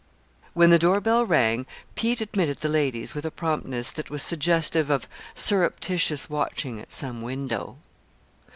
When the doorbell rang Pete admitted the ladies with a promptness that was suggestive of surreptitious watching at some window.